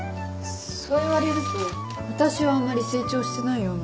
そう言われると私はあんまり成長してないような。